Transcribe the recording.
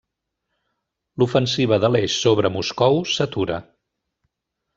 L'ofensiva de l'Eix sobre Moscou s'atura.